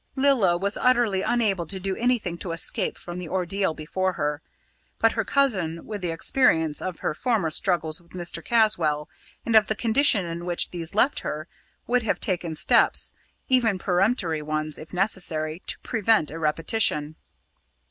Lilla was utterly unable to do anything to escape from the ordeal before her; but her cousin, with the experience of her former struggles with Mr. Caswall and of the condition in which these left her, would have taken steps even peremptory ones, if necessary to prevent a repetition.